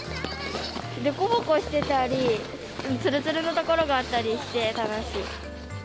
凸凹してたり、つるつるの所があったりして、楽しい。